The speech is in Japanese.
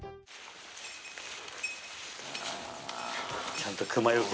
ちゃんと熊よけ。